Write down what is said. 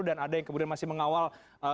dan ada yang kemudian masih mengawal